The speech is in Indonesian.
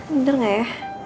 bener gak ya